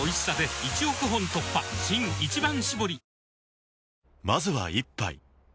新「一番搾り」